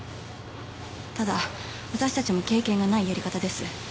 ただ私たちも経験がないやり方です。